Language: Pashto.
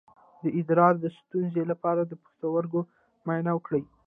د ادرار د ستونزې لپاره د پښتورګو معاینه وکړئ